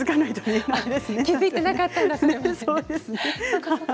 気付いてなかったんだ。